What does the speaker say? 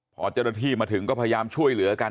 พอเจ้าหน้าที่มาถึงก็พยายามช่วยเหลือกัน